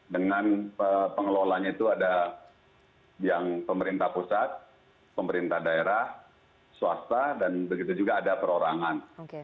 dengan pengelolanya itu ada yang pemerintah pusat pemerintah daerah swasta dan begitu juga ada perorangan